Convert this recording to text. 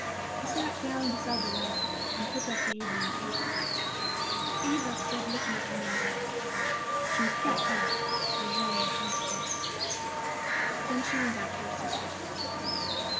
He sat down beside the lamp and took up the evening paper. Eva stood looking at him a minute. She was quite pale, she was weighing consequences. Then she went out to her sister.